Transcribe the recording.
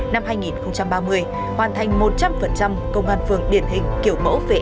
năm hai nghìn ba mươi hoàn thành một trăm linh công an phường điển hình kiểu mẫu về